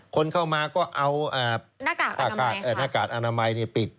คนเข้ามาก็เอาหน้ากากอนามัยปิด